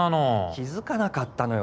気づかなかったのよ